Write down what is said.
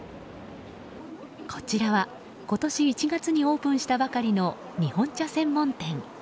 こちらは今年１月にオープンしたばかりの日本茶専門店。